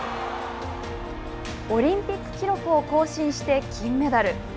オリンピック記録を更新して金メダル。